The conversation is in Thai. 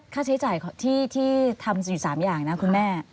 ค่าใช้จ่ายที่ทำอยู่๓อย่างนะคุณแม่